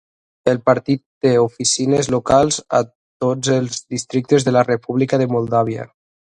El partit té oficines locals a tots els districtes de la República de Moldàvia.